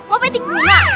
mau petik bunga